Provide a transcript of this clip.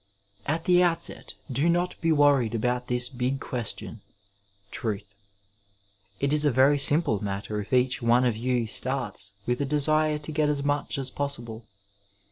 At the outset do not be worried about this big question — ^Truth. It is a very simple matter if each one of you starts with the desire to get as much as possible.